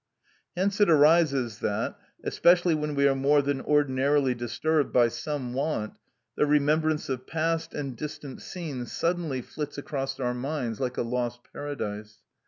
Hence it arises that, especially when we are more than ordinarily disturbed by some want, the remembrance of past and distant scenes suddenly flits across our minds like a lost paradise.